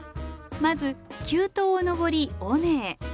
まず急登を登り尾根へ。